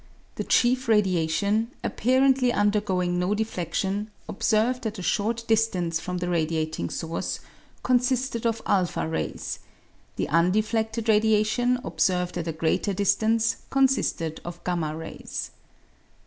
The chief radiation, apparently undergoing no defledion, observed at a short distance from the radiating source, consisted of a rays ; the undefleded radiation observed at a greater distance con sisted of 7 rays.